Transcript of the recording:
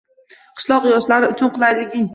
Qishloq yoshlari uchun qulaylikng